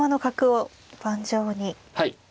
はい。